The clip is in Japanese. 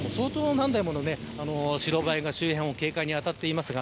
今も相当、何台もの白バイが周辺を警戒に当たっています。